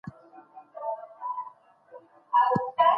مدافع وکیلانو د بې ګناه خلګو دفاع کوله.